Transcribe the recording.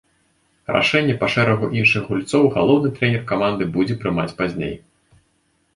Рашэнне па шэрагу іншых гульцоў галоўны трэнер каманды будзе прымаць пазней.